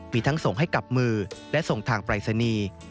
มีทั้งส่งให้กับมือและส่งทางปรายศนีย์